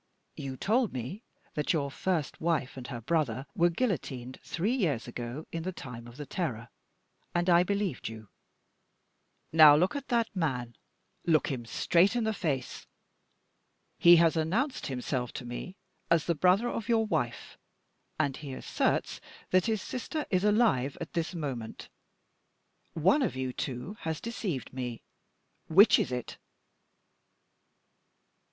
"You told me that your first wife and her brother were guillotined three years ago in the time of the Terror and I believed you. Now look at that man look him straight in the face. He has announced himself to me as the brother of your wife, and he asserts that his sister is alive at this moment. One of you two has deceived me. Which is it?"